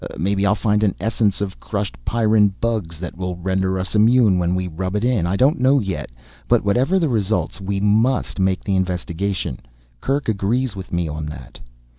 Maybe I'll find an essence of crushed Pyrran bugs that will render us immune when we rub it in. I don't know yet. But whatever the results, we must make the investigation. Kerk agrees with me on that."